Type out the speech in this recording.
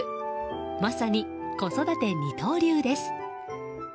まさに子育て二刀流です。